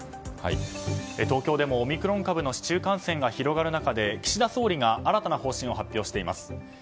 東京でもオミクロン株の市中感染が広がる中で岸田総理が新たな方針を発表しています。